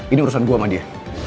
ini urusan gue sama dia